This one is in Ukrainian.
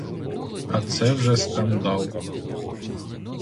А це вже скандал.